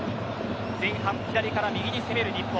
前半、左から右に攻める日本。